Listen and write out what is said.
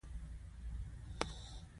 همېشه د خپل ځان څخه پوښتني وکئ!